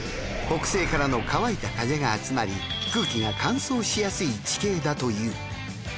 北西からの乾いた風が集まり空気が乾燥しやすい地形だという。